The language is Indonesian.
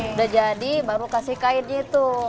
sudah jadi baru kasih kainnya tuh